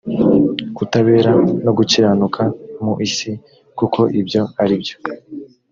kutabera no gukiranuka mu isi kuko ibyo ari byo